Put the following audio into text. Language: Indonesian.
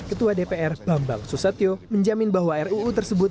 ketua dpr bambang susatyo menjamin bahwa ruu tersebut